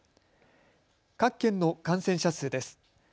各県の感染者数です。